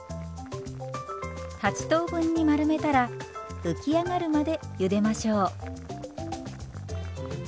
８等分に丸めたら浮き上がるまでゆでましょう。